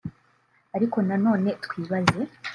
Ariko na none twibaze